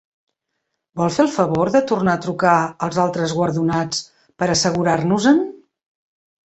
Vol fer el favor de tornar a trucar als altres guardonats per assegurar-nos-en?